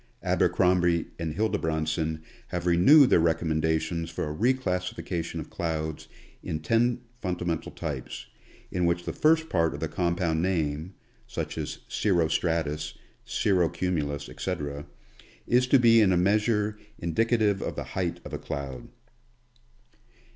Abercromby and Hildebrandsson have renewed their recom mendations for a re classification of clouds in ten fundamental types, in which the first part of the compound name, such as cirro stratus, cirro cumulus, etc., is to be in a measure indicative of the height of a cloud.